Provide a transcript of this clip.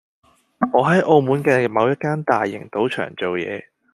我喺澳門嘅某一間大型賭場做嘢